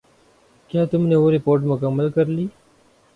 کیا تم نے وہ رپورٹ مکمل کر لی؟